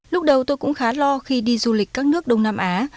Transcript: lúc đầu tôi cũng khá lo khi đi du lịch các nước đông nam á